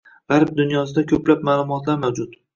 Gʻarb dunyosida koʻplab maʼlumotlar mavjud.